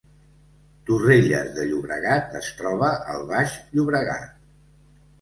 Torrelles de Llobregat es troba al Baix Llobregat